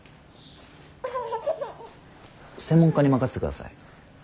専門家に任せて下さい。